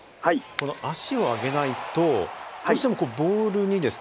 足を上げないとどうしてもボールにですね